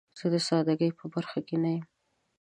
زه د سادګۍ په برخه کې نه یم.